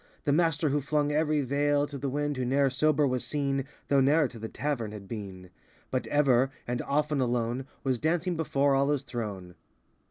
The Master who flung every veil To the wind, who ne'er sober was seen, Though ne'er to the tavern had been; But ever—and often alone— Was dancing before Allah's throne.